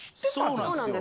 そうなんです。